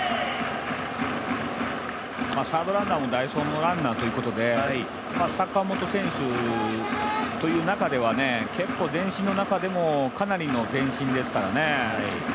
サードランナーも代走ランナーということで坂本選手という中では、結構、前進の中でも、かなりの前進ですからね。